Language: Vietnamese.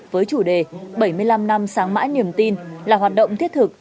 với chủ đề bảy mươi năm năm sáng mãi niềm tin là hoạt động thiết thực